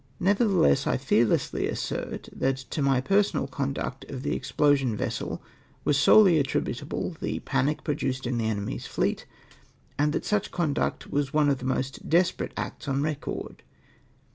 Nevertheless, I fearlessly assert, that to my personal conduct of the explosion vessel was solely attributable the panic produced in the enemy's fleet, and that such conduct was one of the most desperate acts on record.